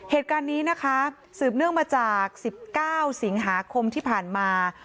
เหตุการณ์นี้นะคะสืบเนื่องมาจาก๑๙สิงหาคมที่ผ่านมา